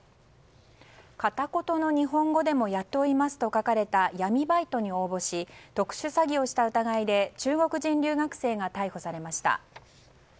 片言の日本語でも雇いますと書かれた闇バイトに応募し特殊詐欺をした疑いで中国人留学生が逮捕されました。